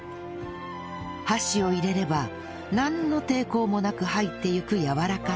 箸を入れればなんの抵抗もなく入っていくやわらかさ